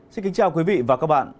xin kính chào quý vị và các bạn